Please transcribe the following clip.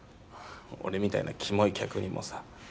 俺みたいなキモい客にもさ。